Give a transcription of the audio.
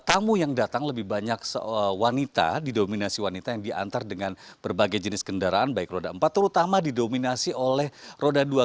tamu yang datang lebih banyak wanita didominasi wanita yang diantar dengan berbagai jenis kendaraan baik roda empat terutama didominasi oleh roda dua